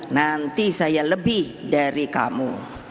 nanti saya lebih dari kamu